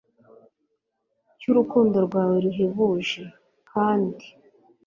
cy'urukundo rwawe ruhebuje, kandi